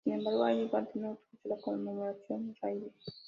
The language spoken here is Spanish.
Sin embargo, Aryabhata no utilizó la numeración brahmi.